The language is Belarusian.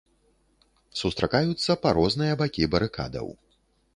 Сустракаюцца па розныя бакі барыкадаў.